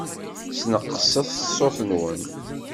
Sneqṣem ṣṣut-nwen.